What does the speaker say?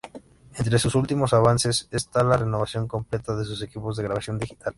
Entre sus últimos avances, está la renovación completa de sus equipos de grabación digital.